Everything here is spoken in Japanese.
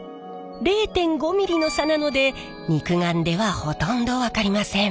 ０．５ミリの差なので肉眼ではほとんど分かりません。